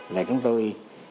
là chúng tôi